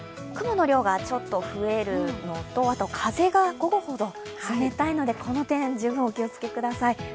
雲の量がちょっと増えるのと、あと、風が午後ほど冷たいので十分お気をつけをつけください。